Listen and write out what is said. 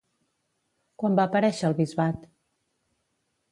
Quan va aparèixer el bisbat?